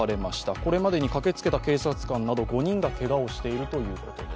これまでに、駆けつけた警察官など５人がけがをしているということです。